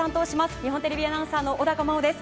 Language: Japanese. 日本テレビアナウンサーの小高茉緒です。